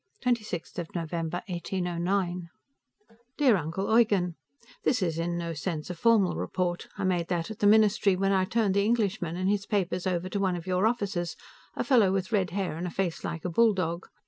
26 November, 1809 Dear Uncle Eugen; This is in no sense a formal report; I made that at the Ministry, when I turned the Englishman and his papers over to one of your officers a fellow with red hair and a face like a bulldog.